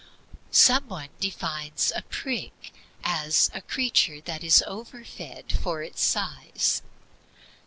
Some one defines a prig as "a creature that is over fed for its size."